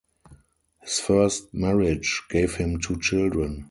His first marriage gave him two children.